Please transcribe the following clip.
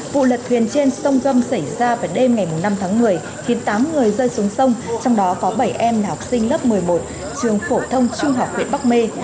vụ lật thuyền trên sông gâm xảy ra vào đêm ngày năm tháng một mươi khiến tám người rơi xuống sông trong đó có bảy em là học sinh lớp một mươi một trường phổ thông trung học huyện bắc mê